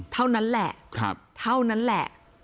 เท่านั้นแหละ